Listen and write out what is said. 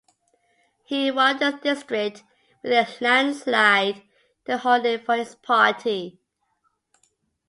He won the district with a landslide to hold it for his party.